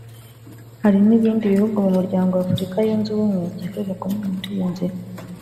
Hari n’ibindi bihugu mu Muryango wa Afurika Yunze Ubumwe byifuza kunyura muri iyi nzira